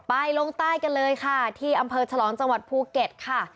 ลงใต้กันเลยค่ะที่อำเภอฉลองจังหวัดภูเก็ตค่ะ